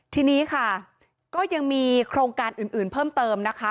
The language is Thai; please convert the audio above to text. ทีนี้ค่ะก็ยังมีโครงการอื่นเพิ่มเติมนะคะ